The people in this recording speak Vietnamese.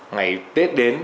ngày tết đến